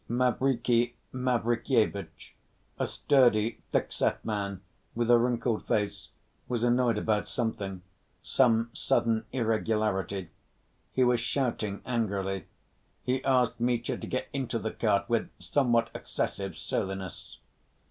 Mavriky Mavrikyevitch, a sturdy, thick‐set man with a wrinkled face, was annoyed about something, some sudden irregularity. He was shouting angrily. He asked Mitya to get into the cart with somewhat excessive surliness.